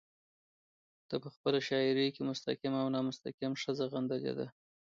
ده په خپله شاعرۍ کې مستقيم او نامستقيم ښځه غندلې ده